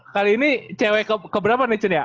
kali ini cewek keberapa nih chen ya